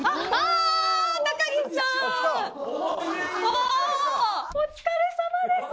お疲れさまです。